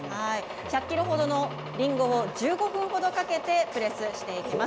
１００キロほどのリンゴを１５分ほどかけてプレスしていきます。